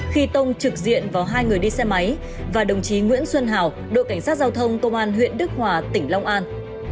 khi tông trực diện vào hai người đi xe máy và đồng chí nguyễn xuân hào đội cảnh sát giao thông công an huyện đức hòa tỉnh long an